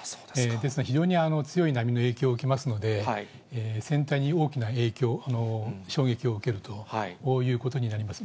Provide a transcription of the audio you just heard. ですので、非常に強い波の影響を受けますので、船体に大きな影響、衝撃を受けるということになります。